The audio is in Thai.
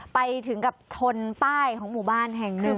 ไปถึงกับชนป้ายของหมู่บ้านแห่งหนึ่ง